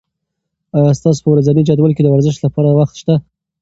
آیا ستاسو په ورځني جدول کې د ورزش لپاره وخت شته؟